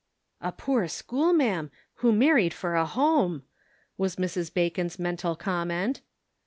"A poor school ma'am, who married for a home," was Mrs. Bacon's mental comment.